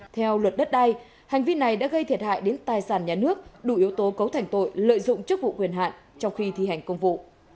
theo luật đất đai hành vi này đã gây thiệt hại đến tài sản nhà nước đủ yếu tố cấu thành tội lợi dụng chức vụ quyền hạn trong khi thi hành công vụ